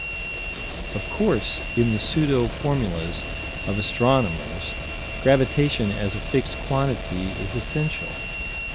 Of course, in the pseudo formulas of astronomers, gravitation as a fixed quantity is essential.